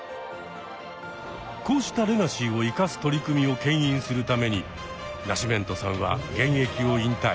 こうしたレガシーを生かす取り組みをけん引するためにナシメントさんは現役を引退。